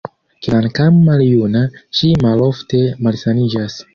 Kvankam maljuna, ŝi malofte malsaniĝas.